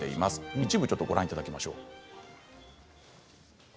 一部ご覧いただきましょう。